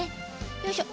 よいしょ。